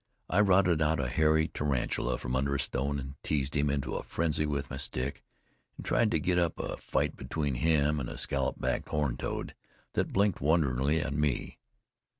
I routed out a hairy tarantula from under a stone and teased him into a frenzy with my stick, and tried to get up a fight between him and a scallop backed horned toad that blinked wonderingly at me.